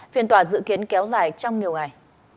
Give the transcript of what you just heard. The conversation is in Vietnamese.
phiên tòa dự kiến kéo dài trong nhiều ngày